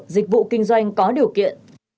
dịch vụ kinh doanh có điều kiện